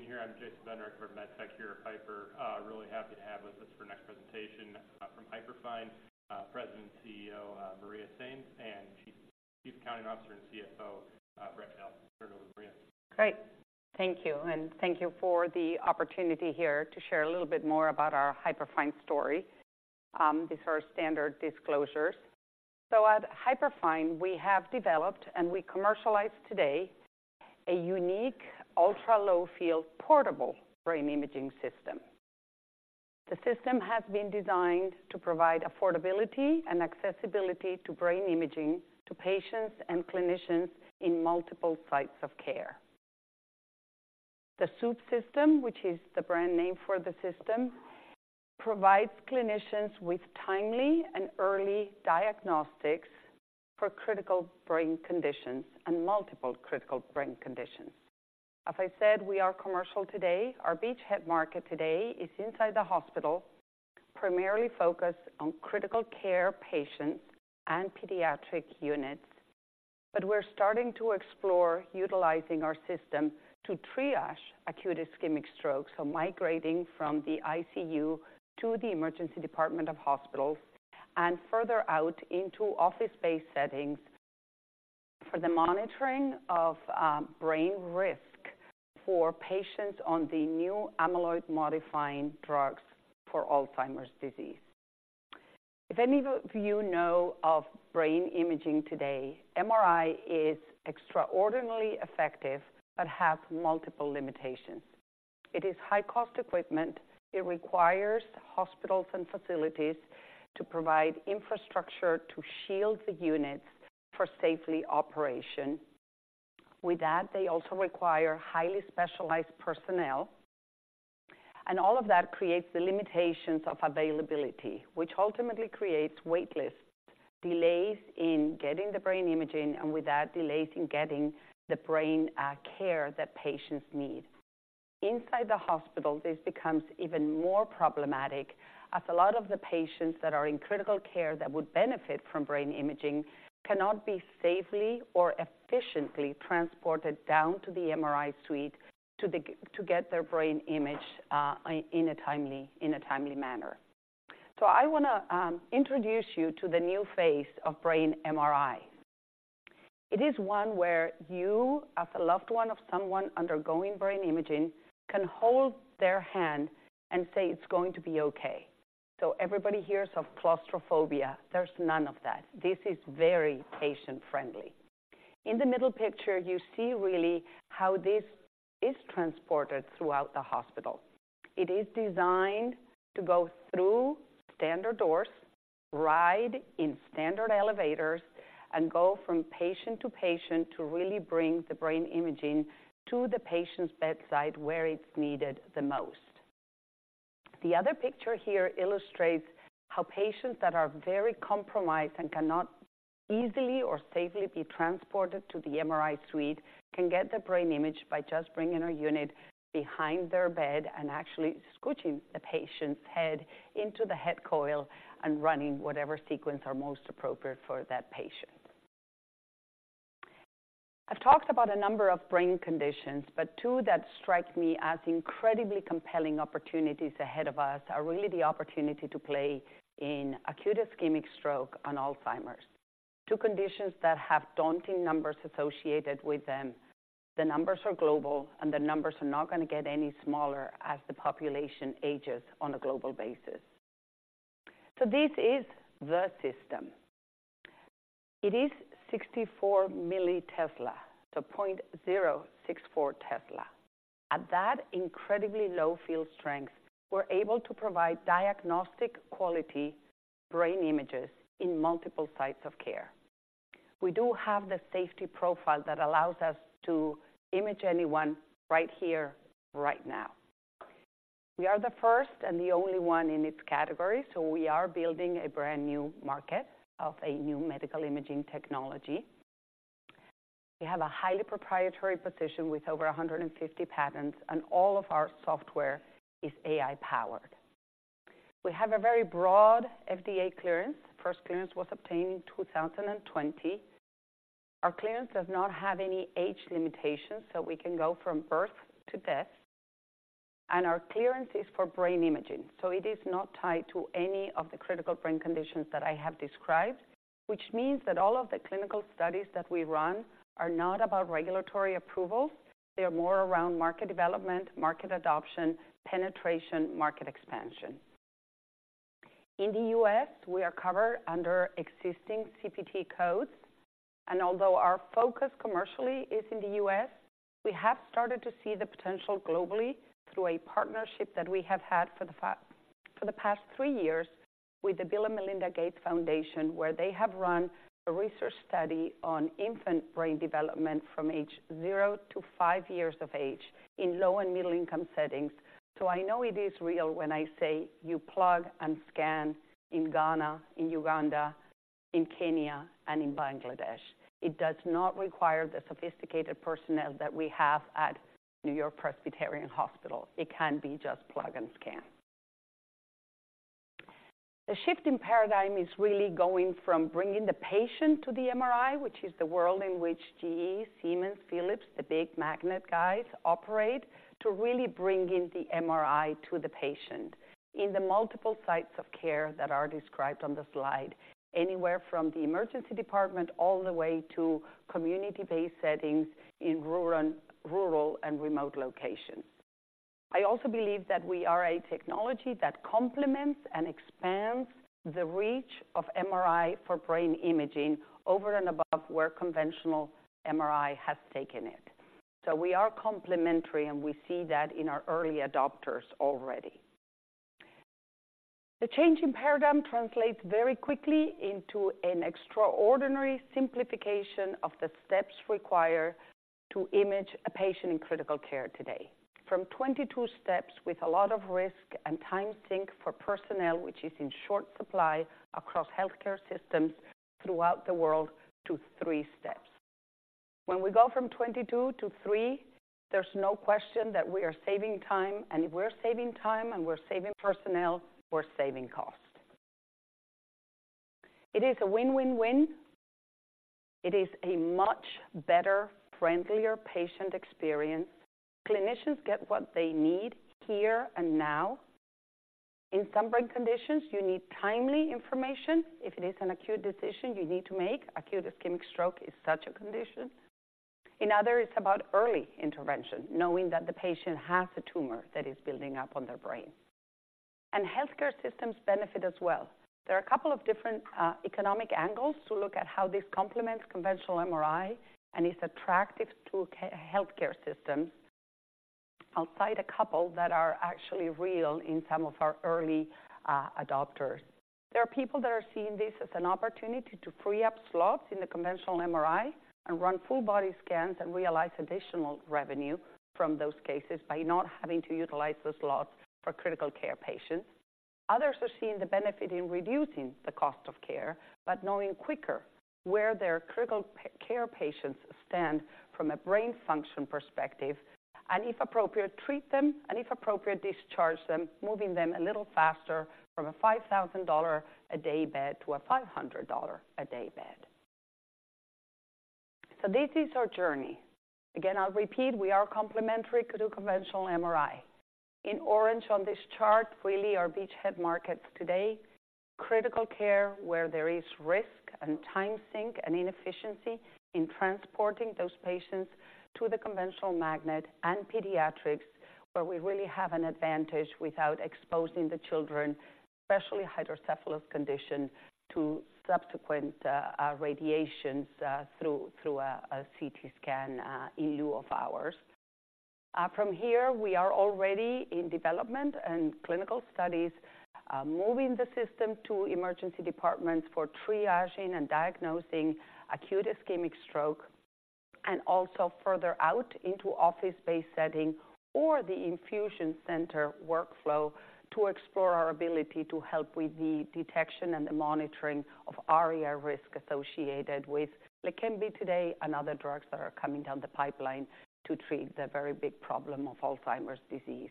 Great. Thanks, everyone, for being here. I'm Jason Bednar from MedTech here at Piper. Really happy to have with us for our next presentation, from Hyperfine, President and CEO, Maria Sainz, and Chief Accounting Officer and CFO, Brett Hale. Turn it over to Maria. Great. Thank you, and thank you for the opportunity here to share a little bit more about our Hyperfine story. These are our standard disclosures. At Hyperfine, we have developed, and we commercialize today, a unique, ultra-low field, portable brain imaging system. The system has been designed to provide affordability and accessibility to brain imaging to patients and clinicians in multiple sites of care. The Swoop system, which is the brand name for the system, provides clinicians with timely and early diagnostics for critical brain conditions and multiple critical brain conditions. As I said, we are commercial today. Our beachhead market today is inside the hospital, primarily focused on critical care patients and pediatric units. But we're starting to explore utilizing our system to triage acute ischemic stroke, so migrating from the ICU to the emergency department of hospitals and further out into office-based settings for the monitoring of brain risk for patients on the new amyloid-modifying drugs for Alzheimer's disease. If any of you know of brain imaging today, MRI is extraordinarily effective but has multiple limitations. It is high-cost equipment. It requires hospitals and facilities to provide infrastructure to shield the units for safe operation. With that, they also require highly specialized personnel, and all of that creates the limitations of availability, which ultimately creates wait lists, delays in getting the brain imaging, and with that, delays in getting the brain care that patients need. Inside the hospital, this becomes even more problematic, as a lot of the patients that are in critical care that would benefit from brain imaging cannot be safely or efficiently transported down to the MRI suite to get their brain image in a timely manner. So I want to introduce you to the new face of brain MRI. It is one where you, as a loved one of someone undergoing brain imaging, can hold their hand and say, "It's going to be okay." So everybody hears of claustrophobia. There's none of that. This is very patient-friendly. In the middle picture, you see really how this is transported throughout the hospital. It is designed to go through standard doors, ride in standard elevators, and go from patient to patient to really bring the brain imaging to the patient's bedside, where it's needed the most. The other picture here illustrates how patients that are very compromised and cannot easily or safely be transported to the MRI suite can get their brain imaged by just bringing our unit behind their bed and actually scooching the patient's head into the head coil and running whatever sequence are most appropriate for that patient. I've talked about a number of brain conditions, but two that strike me as incredibly compelling opportunities ahead of us are really the opportunity to play in acute ischemic stroke and Alzheimer's. Two conditions that have daunting numbers associated with them. The numbers are global, and the numbers are not going to get any smaller as the population ages on a global basis. So this is the system. It is 64 millitesla, so 0.064 tesla. At that incredibly low field strength, we're able to provide diagnostic-quality brain images in multiple sites of care. We do have the safety profile that allows us to image anyone right here, right now. We are the first and the only one in its category, so we are building a brand-new market of a new medical imaging technology. We have a highly proprietary position with over 150 patents, and all of our software is AI-powered. We have a very broad FDA clearance. First clearance was obtained in 2020. Our clearance does not have any age limitations, so we can go from birth to death, and our clearance is for brain imaging, so it is not tied to any of the critical brain conditions that I have described, which means that all of the clinical studies that we run are not about regulatory approvals. They are more around market development, market adoption, penetration, market expansion. In the U.S., we are covered under existing CPT codes, and although our focus commercially is in the U.S., we have started to see the potential globally through a partnership that we have had for the past three years with the Bill & Melinda Gates Foundation, where they have run a research study on infant brain development from age zero to five years of age in low and middle-income settings. So I know it is real when I say you plug and scan in Ghana, in Uganda, in Kenya, and in Bangladesh. It does not require the sophisticated personnel that we have at NewYork-Presbyterian Hospital. It can be just plug and scan. The shift in paradigm is really going from bringing the patient to the MRI, which is the world in which GE, Siemens, Philips, the big magnet guys operate, to really bringing the MRI to the patient in the multiple sites of care that are described on the slide. Anywhere from the emergency department, all the way to community-based settings in rural and remote locations. I also believe that we are a technology that complements and expands the reach of MRI for brain imaging over and above where conventional MRI has taken it. So we are complementary, and we see that in our early adopters already. The change in paradigm translates very quickly into an extraordinary simplification of the steps required to image a patient in critical care today. From 22 steps with a lot of risk and time sink for personnel, which is in short supply across healthcare systems throughout the world, to three steps. When we go from 22 to three, there's no question that we are saving time, and if we're saving time and we're saving personnel, we're saving cost. It is a win, win, win. It is a much better, friendlier, patient experience. Clinicians get what they need here and now. In some brain conditions, you need timely information. If it is an acute decision you need to make. Acute ischemic stroke is such a condition. In other, it's about early intervention, knowing that the patient has a tumor that is building up on their brain. Healthcare systems benefit as well. There are a couple of different economic angles to look at how this complements conventional MRI and is attractive to healthcare systems. I'll cite a couple that are actually real in some of our early adopters. There are people that are seeing this as an opportunity to free up slots in the conventional MRI and run full body scans, and realize additional revenue from those cases by not having to utilize those slots for critical care patients. Others are seeing the benefit in reducing the cost of care, but knowing quicker where their critical care patients stand from a brain function perspective, and if appropriate, treat them, and if appropriate, discharge them, moving them a little faster from a $5,000 a day bed to a $500 a day bed. So this is our journey. Again, I'll repeat, we are complementary to conventional MRI. In orange on this chart, really our beachhead markets today, critical care, where there is risk and time sink and inefficiency in transporting those patients to the conventional magnet and pediatrics, where we really have an advantage without exposing the children, especially Hydrocephalus condition, to subsequent radiations through a CT scan in lieu of ours. From here, we are already in development and clinical studies moving the system to emergency departments for triaging and diagnosing acute ischemic stroke, and also further out into office-based setting or the infusion center workflow to explore our ability to help with the detection and the monitoring of ARIA risk associated with Leqembi today and other drugs that are coming down the pipeline to treat the very big problem of Alzheimer's disease.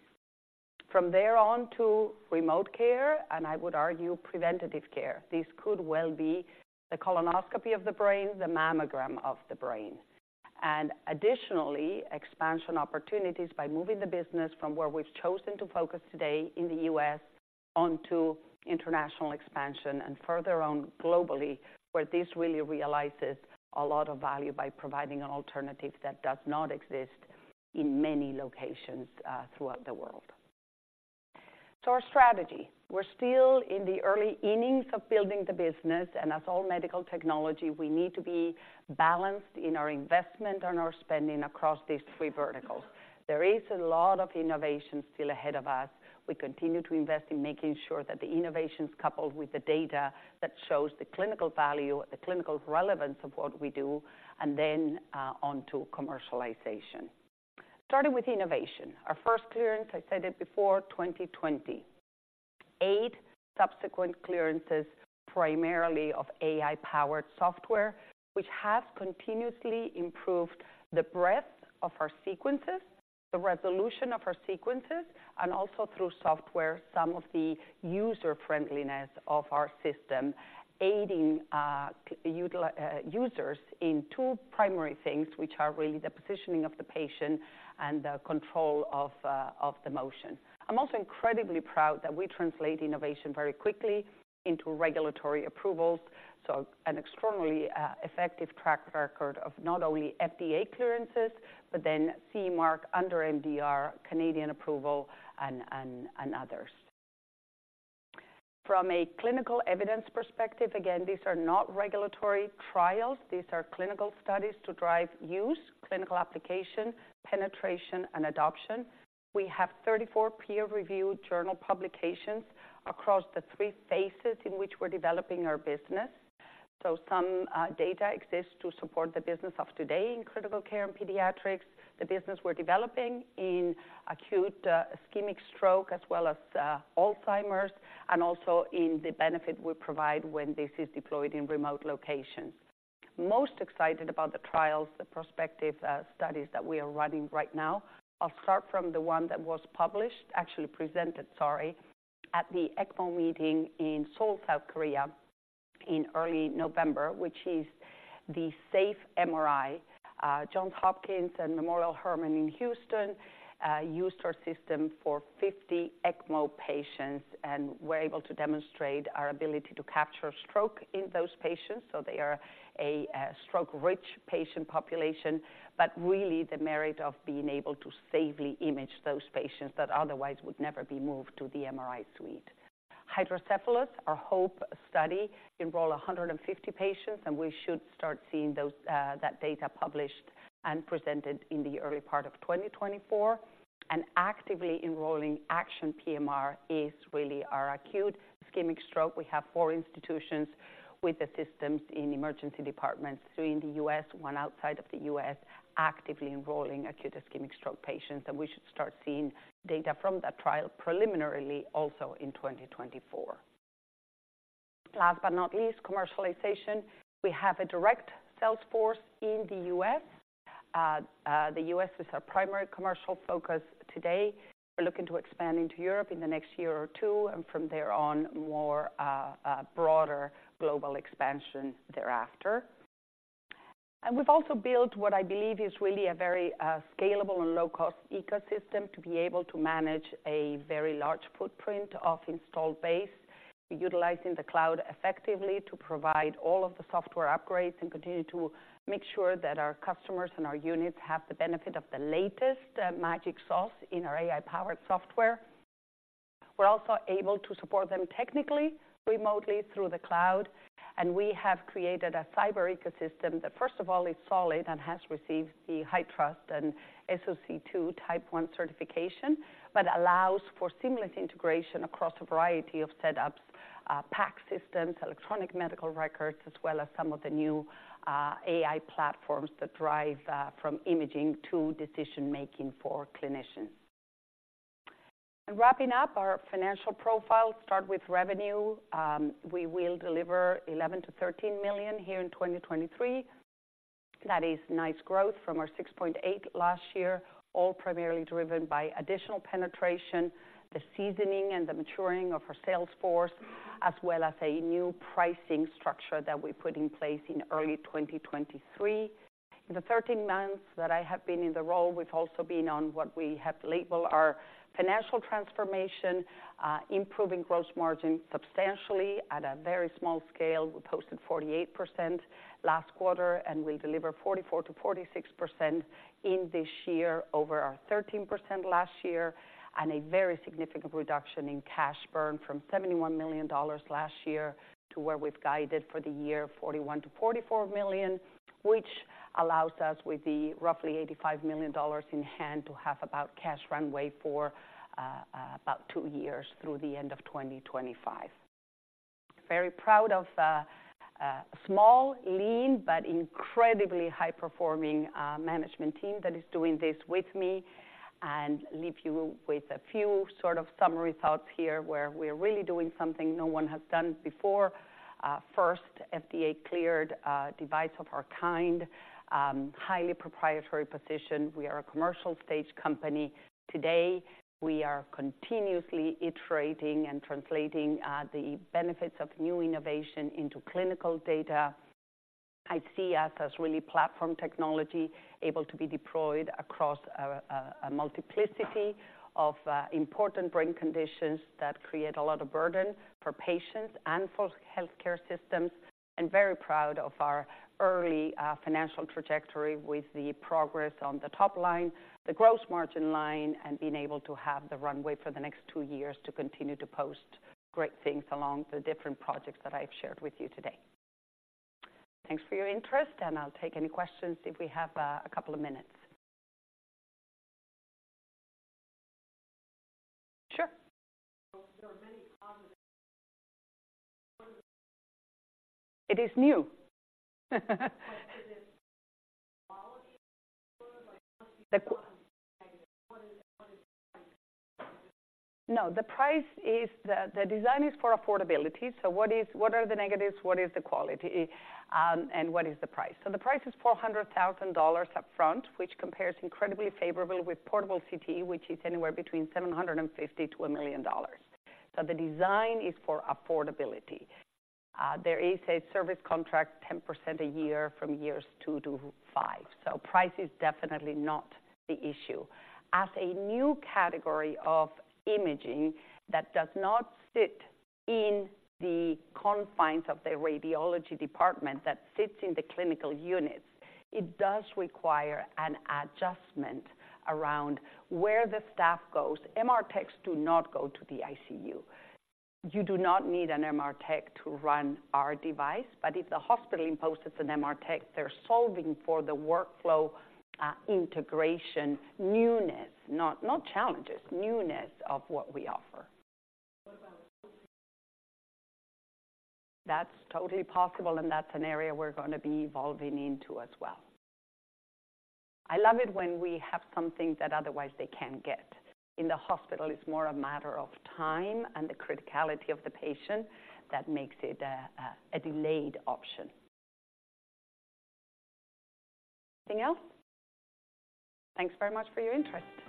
From there on to remote care, and I would argue, preventative care. This could well be the colonoscopy of the brain, the mammogram of the brain. And additionally, expansion opportunities by moving the business from where we've chosen to focus today in the U.S. onto international expansion and further on globally, where this really realizes a lot of value by providing an alternative that does not exist in many locations throughout the world. So our strategy. We're still in the early innings of building the business, and as all medical technology, we need to be balanced in our investment and our spending across these three verticals. There is a lot of innovation still ahead of us. We continue to invest in making sure that the innovation's coupled with the data that shows the clinical value, the clinical relevance of what we do, and then on to commercialization. Starting with innovation. Our first clearance, I said it before, 2020. Eight subsequent clearances, primarily of AI-powered software, which has continuously improved the breadth of our sequences, the resolution of our sequences, and also through software, some of the user-friendliness of our system, aiding users in two primary things, which are really the positioning of the patient and the control of the motion. I'm also incredibly proud that we translate innovation very quickly into regulatory approvals, so an extremely effective track record of not only FDA clearances, but then CE mark under MDR, Canadian approval and, and, and others. From a clinical evidence perspective, again, these are not regulatory trials. These are clinical studies to drive use, clinical application, penetration, and adoption. We have 34 peer-reviewed journal publications across the three phases in which we're developing our business. So some data exists to support the business of today in critical care and pediatrics. The business we're developing in acute, ischemic stroke, as well as, Alzheimer's, and also in the benefit we provide when this is deployed in remote locations.... Most excited about the trials, the prospective, studies that we are running right now. I'll start from the one that was published, actually presented, sorry, at the ECMO meeting in Seoul, South Korea, in early November, which is the Safe MRI. Johns Hopkins and Memorial Hermann in Houston, used our system for 50 ECMO patients, and were able to demonstrate our ability to capture stroke in those patients, so they are a, stroke-rich patient population, but really the merit of being able to safely image those patients that otherwise would never be moved to the MRI suite. Hydrocephalus, our HOPE study, enroll 150 patients, and we should start seeing those that data published and presented in the early part of 2024. Actively enrolling ACTION PMR is really our acute ischemic stroke. We have four institutions with the systems in emergency departments, three in the U.S., one outside of the U.S., actively enrolling acute ischemic stroke patients, and we should start seeing data from that trial preliminarily also in 2024. Last but not least, commercialization. We have a direct sales force in the U.S. The U.S. is our primary commercial focus today. We're looking to expand into Europe in the next year or two, and from there on, more broader global expansion thereafter. And we've also built what I believe is really a very, scalable and low-cost ecosystem to be able to manage a very large footprint of installed base, utilizing the cloud effectively to provide all of the software upgrades and continue to make sure that our customers and our units have the benefit of the latest magic sauce in our AI-powered software. We're also able to support them technically, remotely through the cloud, and we have created a cyber ecosystem that first of all, is solid and has received the HITRUST and SOC 2 Type 1 certification, but allows for seamless integration across a variety of setups, PACS systems, electronic medical records, as well as some of the new, AI platforms that drive, from imaging to decision-making for clinicians. And wrapping up our financial profile, start with revenue. We will deliver $11 million-$13 million here in 2023. That is nice growth from our $6.8 million last year, all primarily driven by additional penetration, the seasoning and the maturing of our sales force, as well as a new pricing structure that we put in place in early 2023. In the 13 months that I have been in the role, we've also been on what we have labeled our financial transformation, improving gross margin substantially at a very small scale. We posted 48% last quarter, and we'll deliver 44%-46% in this year over our 13% last year, and a very significant reduction in cash burn from $71 million last year to where we've guided for the year, $41 million-$44 million, which allows us with the roughly $85 million in hand, to have about cash runway for about two years through the end of 2025. Very proud of a small, lean, but incredibly high-performing management team that is doing this with me and leave you with a few sort of summary thoughts here, where we are really doing something no one has done before. First, FDA-cleared device of our kind, highly proprietary position. We are a commercial stage company. Today, we are continuously iterating and translating the benefits of new innovation into clinical data. I'd see us as really platform technology, able to be deployed across a multiplicity of important brain conditions that create a lot of burden for patients and for healthcare systems, and very proud of our early financial trajectory with the progress on the top line, the gross margin line, and being able to have the runway for the next two years to continue to post great things along the different projects that I've shared with you today. Thanks for your interest, and I'll take any questions if we have a couple of minutes. Sure. There are many positives. It is new. But is it quality? The qu- What is the price? No, the price is. The design is for affordability. So what are the negatives, what is the quality, and what is the price? So the price is $400,000 upfront, which compares incredibly favorably with portable CT, which is anywhere between $750,000-$1 million. So the design is for affordability. There is a service contract, 10% a year from years two to five. So price is definitely not the issue. As a new category of imaging that does not sit in the confines of the radiology department, that sits in the clinical units, it does require an adjustment around where the staff goes. MR techs do not go to the ICU. You do not need an MR tech to run our device, but if the hospital imposes an MR tech, they're solving for the workflow, integration, newness, not, not challenges, newness of what we offer. What about. That's totally possible, and that's an area we're gonna be evolving into as well. I love it when we have something that otherwise they can't get. In the hospital, it's more a matter of time and the criticality of the patient that makes it a delayed option. Anything else? Thanks very much for your interest.